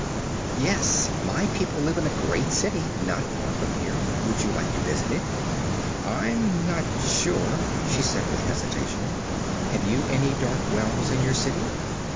"Yes. My people live in a great city not far from here. Would you like to visit it?" "I'm not sure," she said with hesitation. "Have you any dark wells in your city?"